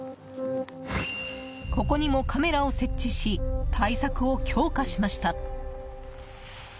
ここにもカメラを設置し対策を強化しました。